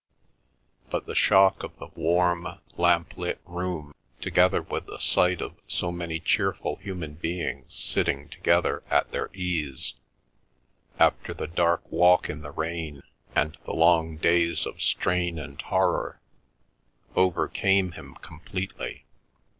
But the shock of the warm lamp lit room, together with the sight of so many cheerful human beings sitting together at their ease, after the dark walk in the rain, and the long days of strain and horror, overcame him completely.